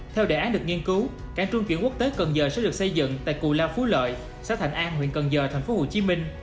theo đề án được nghiên cứu cảng trung chuyển quốc tế cần giờ sẽ được xây dựng tại cù lao phú lợi xã thành an huyện cần giờ tp hcm